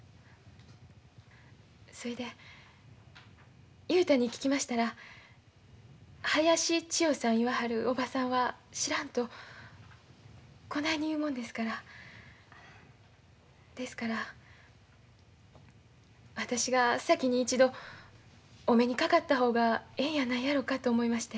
そいで雄太に聞きましたら林千代さんいわはるおばさんは知らんとこないに言うもんですからですから私が先に一度お目にかかった方がええんやないやろかと思いまして。